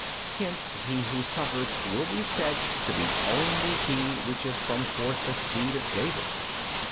hence he who suffered will be said to be only he which is from forth the seed of David.